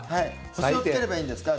星をつければいいんですか？